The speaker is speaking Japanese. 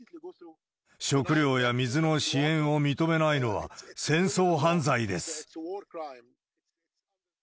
食料や水の支援を認めないのは、戦争犯罪です。